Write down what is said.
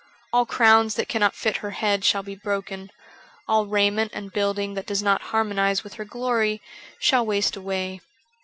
All crowns that cannot fit her head shall be broken ; all raiment and building that does not harmonize with her glory shall waste away.